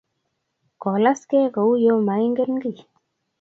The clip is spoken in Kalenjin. Kolaskei kouyo maingen kiy